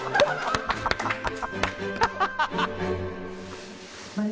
ハハハハ！